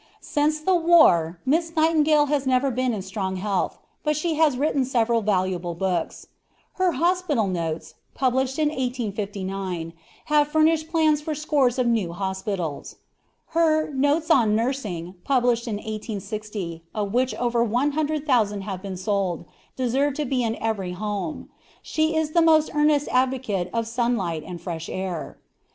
Since the war, Miss Nightingale has never been in strong health, but she has written several valuable books. Her Hospital Notes, published in 1859, have furnished plans for scores of new hospitals. Her Notes on Nursing, published in 1860, of which over one hundred thousand have been sold, deserve to be in every home. She is the most earnest advocate of sunlight and fresh air.